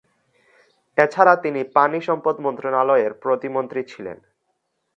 এছাড়া তিনি পানি সম্পদ মন্ত্রণালয়ের প্রতিমন্ত্রী ছিলেন।